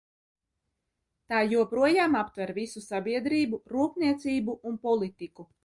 Tā joprojām aptver visu sabiedrību, rūpniecību un politiku.